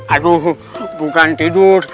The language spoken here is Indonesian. aduh bukan tidur